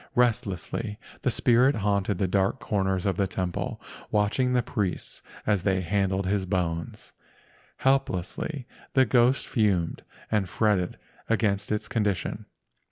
Restlessly the spirit haunted the dark corners of the temple, watching the priests as they handled his bones. Helplessly the ghost fumed and fretted against its condition.